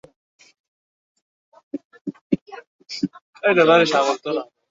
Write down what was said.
এখন সে গম্ভীরমুখে রোগীর নাড়ি টেপে, সামান্য কারণে রাগিয়া আগুন হইয়া ওঠে।